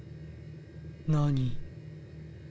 何？